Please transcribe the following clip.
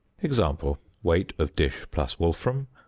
Example: Weight of dish + wolfram 32.